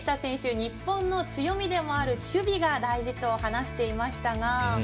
日本の強みである守備が大事と話していました。